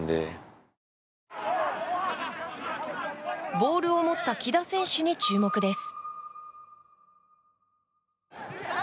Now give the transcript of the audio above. ボールを持った木田選手に注目です。